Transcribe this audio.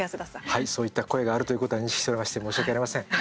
はい、そういった声があるということは認識しておりまして申し訳ありません。